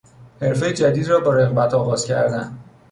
حرفهی جدید را با رغبت آغاز کردن